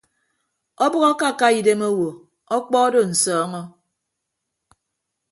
Ọbʌk akaka idem owo ọkpọ odo nsọọñọ.